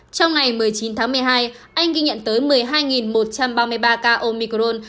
trong ngày một mươi chín tháng một mươi hai anh ghi nhận tới một mươi hai một trăm ba mươi ba ca omicron